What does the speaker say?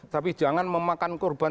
tapi jangan memakan korban